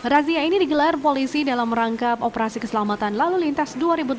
razia ini digelar polisi dalam rangka operasi keselamatan lalu lintas dua ribu delapan belas